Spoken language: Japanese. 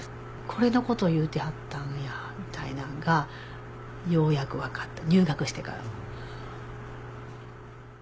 これのこと言うてはったんやみたいなんがようやく分かった入学してから。